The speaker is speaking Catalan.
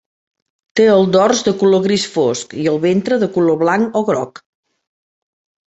Té el dors de color gris fosc i el ventre de color blanc o groc.